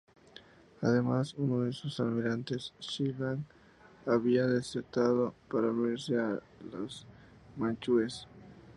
Además, uno de sus almirantes, Shi Lang, había desertado para unirse a los manchúes.